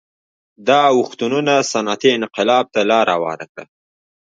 دا اوښتونونه صنعتي انقلاب ته لار هواره کړه